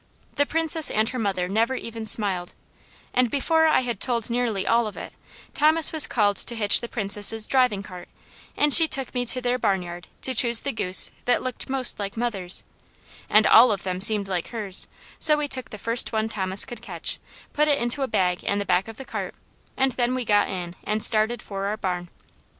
The Princess and her mother never even smiled; and before I had told nearly all of it, Thomas was called to hitch the Princess' driving cart, and she took me to their barnyard to choose the goose that looked most like mother's, and all of them seemed like hers, so we took the first one Thomas could catch, put it into a bag in the back of the cart, and then we got in and started for our barn.